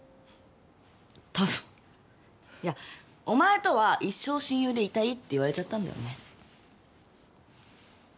お前とは一生親友でいたいって言われちゃったんだよね。